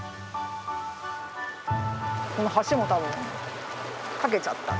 この橋も多分架けちゃった。